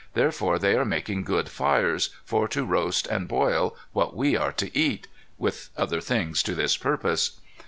Therefore they are making good fires for to roast and boil what we are to eat,' with other things to this purpose.